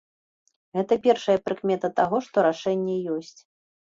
Гэта першая прыкмета таго, што рашэнне ёсць.